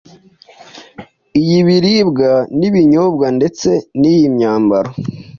iy’ibiribwa n’ibinyobwa ndetse n’iy’imyambaro.